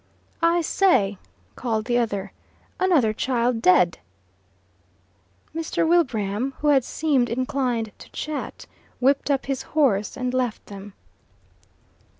"I say," called the other, "another child dead!" Mr. Wilbraham, who had seemed inclined to chat, whipped up his horse and left them.